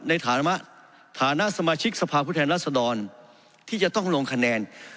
ในฐานะสมาชิกสภาพุทธแห่งรัฐสดรที่จะต้องลงคะแนน